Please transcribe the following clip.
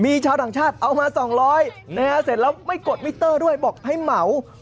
มีชาวต่างชาติเอามา๒๐๐เสร็จแล้วไม่กดมิเตอร์ด้วยบอกให้เหมา